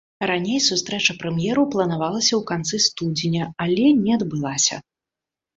Раней сустрэча прэм'ераў планавалася ў канцы студзеня, але не адбылася.